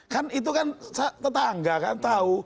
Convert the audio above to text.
kan itu kan tetangga kan tahu